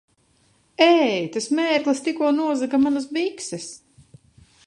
Ei! Tas mērglis tikko nozaga manas bikses!